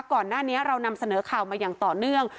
ก่อนหน้านี้เรานำเสนอข่าวมาอย่างต่อเนื่อง